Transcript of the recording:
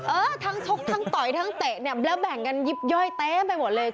เออทั้งชกทั้งต่อยทั้งเตะเนี่ยแล้วแบ่งกันยิบย่อยเต็มไปหมดเลย